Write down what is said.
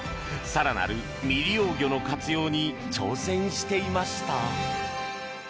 更なる未利用魚の活用に挑戦していました。